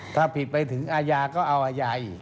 ถ้าผิดไปถึงอายาก็เอาราอัยให้